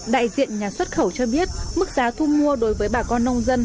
đại diện nhà xuất khẩu cho biết mức giá thu mua đối với bà con nông dân